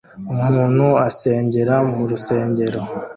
Umuntu asengera mu rusengero